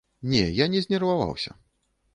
Не, я не знерваваўся.